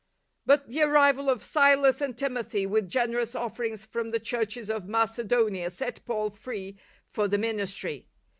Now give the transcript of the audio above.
But the arrival of Silas and Timothy with generous offerings from the Churches of Macedonia set Paul free for the ministry.